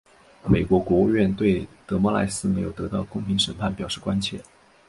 美国国务院对德莫赖斯没有得到公平审判表示关切。